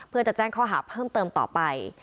เพื่อจะแจ้งข้อหาเพิ่มเติมต่อไป